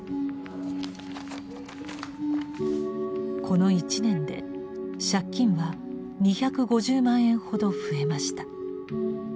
この１年で借金は２５０万円ほど増えました。